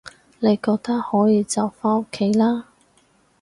你覺得可以就返屋企啦